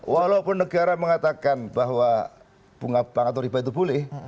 walaupun negara mengatakan bahwa bunga bank atau riba itu boleh